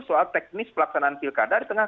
soal teknis pelaksanaan pilkada di tengah